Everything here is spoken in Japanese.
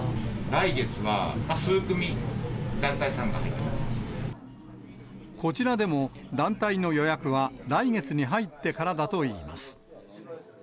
来月は数組、団体さんが入ってまこちらでも、団体の予約は来月に入ってからだといいます。